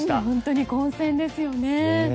本当に混戦ですよね。